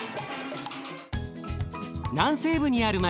南西部にある町